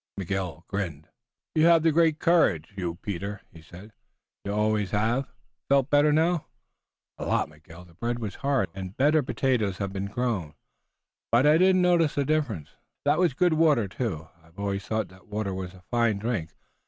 Miguel grinned. "You have the great courage, you Peter," he said. "You always have. Feel better now?" "A lot, Miguel. The bread was hard, I suppose, and better potatoes have been grown, but I didn't notice the difference. That was good water, too. I've always thought that water was a fine drink.